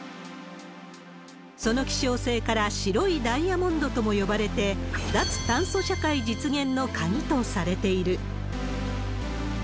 その希少性から、白いダイヤモンドとも呼ばれて、脱炭素社会実現の鍵とされている。